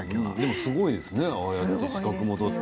でもすごいですよね、資格取って。